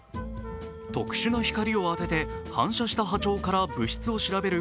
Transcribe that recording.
特殊な光を当てて反射した波長から物質を調べる